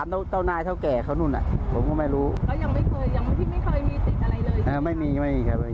ก็ยอมรับว่าการตั้งด่านตรวจที่ผ่านมา